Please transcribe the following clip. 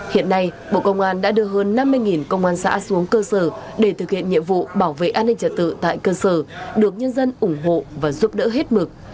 hiện nay bộ công an đã đưa hơn năm mươi công an xã xuống cơ sở để thực hiện nhiệm vụ bảo vệ an ninh trật tự tại cơ sở được nhân dân ủng hộ và giúp đỡ hết mực